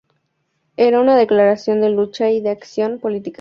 Era una declaración de lucha y de acción política.